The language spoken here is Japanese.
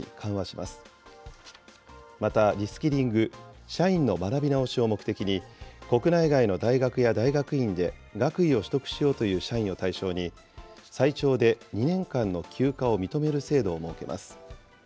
また、リスキリング・社員の学び直しを目的に、国内外の大学や大学院で、学位を取得しようという社員を対象に、最長で２年間の休暇を認める制度を設けます。